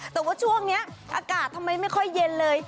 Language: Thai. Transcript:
แต่ว่าช่วงนี้อากาศทำไมไม่ค่อยเย็นเลย